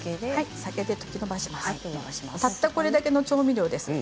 たったこれだけの調味料です。